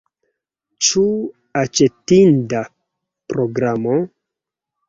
Ĉu aĉetinda programo?